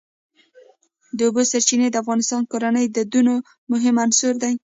د اوبو سرچینې د افغان کورنیو د دودونو مهم عنصر دی.